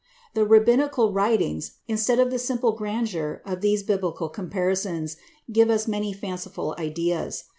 The Rabbinical writings, instead of the simple grandeur of these biblical comparisons, give us many fanciful ideas.